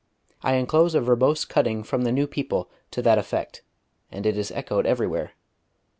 I enclose a verbose cutting from the New People to that effect; and it is echoed everywhere.